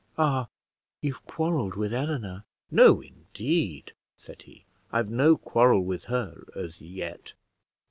Ah, you've quarrelled with Eleanor!" "No, indeed," said he; "I've no quarrel with her as yet."